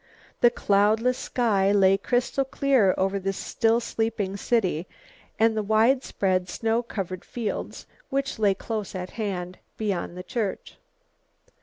The cloudless sky lay crystal clear over the still sleeping city and the wide spread snow covered fields which lay close at hand, beyond the church.